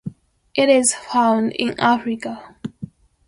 It is found in Africa.